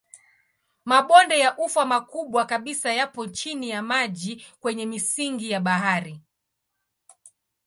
Mabonde ya ufa makubwa kabisa yapo chini ya maji kwenye misingi ya bahari.